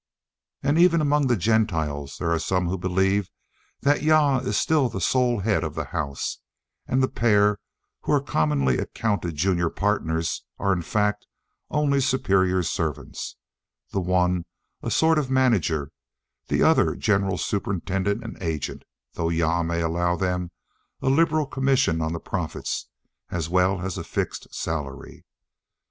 And even among the Gentiles there are some who believe that Jah is still the sole head of the house, and that the pair who are commonly accounted junior partners are in fact only superior servants, the one a sort of manager, the other general superintendent and agent, though Jah may allow them a liberal commission on the profits, as well as a fixed salary.